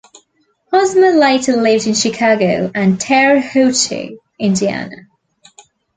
Hosmer later lived in Chicago and Terre Haute, Indiana.